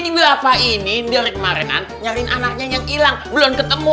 jadi bapak ini dari kemarenan nyariin anaknya yang hilang belum ketemu